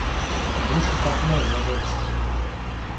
Душу к одной зажечь!